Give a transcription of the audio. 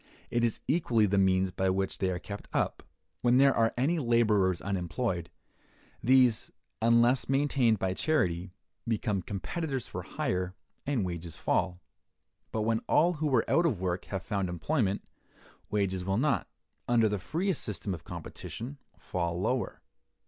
It is equally the means by which they are kept up. When there are any laborers unemployed, these, unless maintained by charity, become competitors for hire, and wages fall; but when all who were out of work have found employment, wages will not, under the freest system of competition, fall lower.